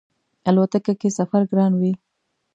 الوتکه کی سفر ګران وی